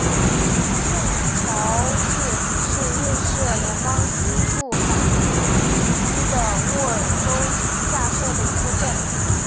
圣乔治是瑞士联邦西部法语区的沃州下设的一个镇。